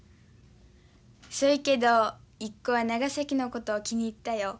そいけどイッコは長崎のこと気に入ったよ。